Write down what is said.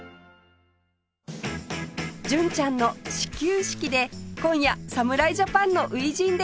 純ちゃんの始球式で今夜侍ジャパンの初陣です